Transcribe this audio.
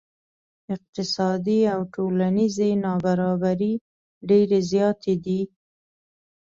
اقتصادي او ټولنیزې نا برابرۍ ډیرې زیاتې دي.